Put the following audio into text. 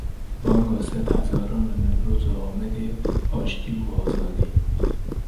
Banga sed hezaran li Newroza Amedê: Aştî û azadî